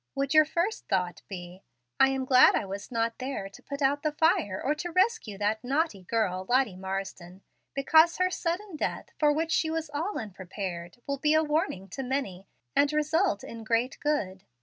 Would your first thought be, 'I am glad I was not there to put out the fire or to rescue that naughty girl, Lottie Marsden, because her sudden death, for which she was all unprepared, will be a warning to many, and result in great good'?